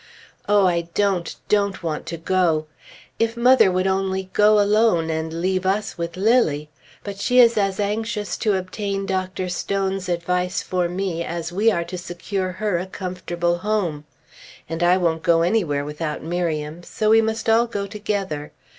Oh, I don't, don't want to go! If mother would only go alone, and leave us with Lilly! But she is as anxious to obtain Dr. Stone's advice for me as we are to secure her a comfortable home; and I won't go anywhere without Miriam, so we must all go together.